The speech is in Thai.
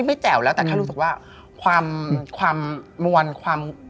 ไม่แจ๋วแล้วแต่เขารู้สึกว่าความมวลความ